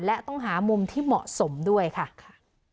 และต้องหามุมที่เหมาะสมด้วยค่ะ